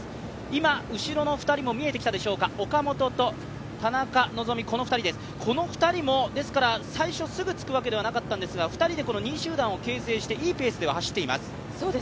今、後ろの２人も見えてきたでしょうか、岡本と田中希実、この２人も、最初、すぐつくわけではなかったんですが２人で２位集団を形成していいペースでは走っています。